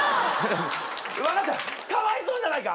分かったかわいそうじゃないか？